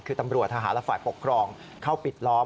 คือตำรวจทหารและฝ่ายปกครองเข้าปิดล้อม